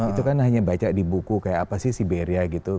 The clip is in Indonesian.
itu kan hanya baca di buku kayak apa sih siberia gitu